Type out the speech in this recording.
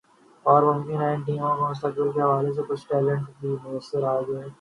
اور ممکن ہے کہ ان ٹیموں کو مستقبل کے حوالے سے کچھ ٹیلنٹ بھی میسر آجائے